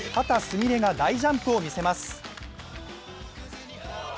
美鈴が大ジャンプを見せます。